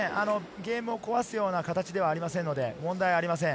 ゲームを壊すような形ではありませんので問題ありません。